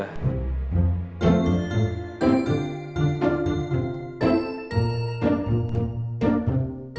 yang satu terus ada juga berubah